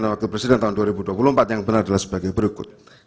dan wakil presiden tahun dua ribu dua puluh empat yang benar adalah sebagai berikut